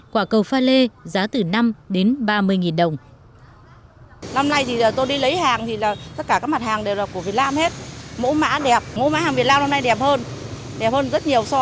quả cầu pha lê giá từ năm đến ba mươi đồng